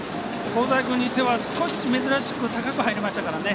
香西君にしては少し珍しく高く入りましたからね。